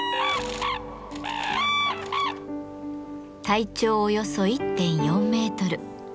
体長およそ１．４メートル。